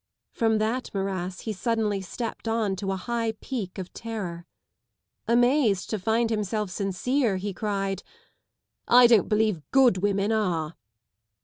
From that morass he suddenly stepped on to a high peak of terror. Amazed to find himself sincere, he cried ŌĆö " 1 don't believe good women are!